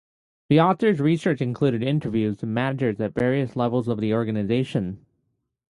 The author's research included interviews of managers at various levels of the organizations.